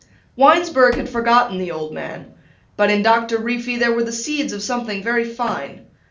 Winesburg had forgotten the old man, but in Doctor Reefy there were the seeds of something very fine.